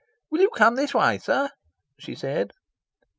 "Will you come this way, sir?" she said.